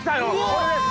これです